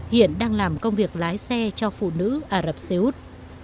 hiện đang làm công việc lái xe cho phụ nữ ả rập xê út